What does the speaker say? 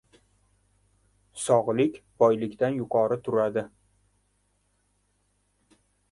• Sog‘lik boylikdan yuqori turadi.